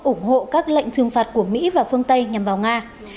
ủng hộ các lệnh trừng phạt của mỹ và phương tây nhằm vào nga